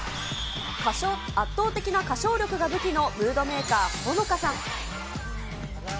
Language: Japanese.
圧倒的な歌唱力が武器のムードメーカー、ホノカさん。